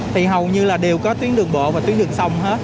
thì hầu như là đều có tuyến đường bộ và tuyến đường sông hết